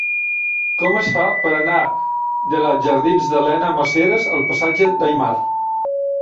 Com es fa per anar de la jardins d'Elena Maseras al passatge d'Aymar?